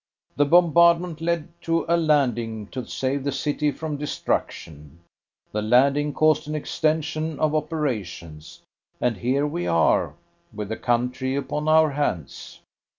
The bombardment led to a landing to save the city from destruction. The landing caused an extension of operations and here we are, with the country upon our hands.